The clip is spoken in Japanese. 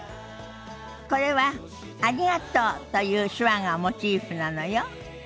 これは「ありがとう」という手話がモチーフなのよ。